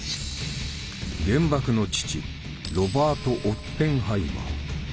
原爆の父ロバート・オッペンハイマー。